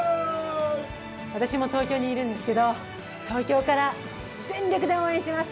私も東京にいるんですけど東京から、全力で応援します。